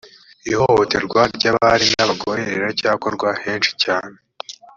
ihohoterwa ry’abari n’abagore riracyakorwa henshi cyane